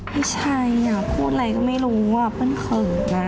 ไม่ใช่พูดอะไรก็ไม่รู้เปิ้ลเขื่อน่ะ